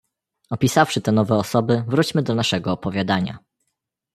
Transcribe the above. "Opisawszy te nowe osoby, wróćmy do naszego opowiadania."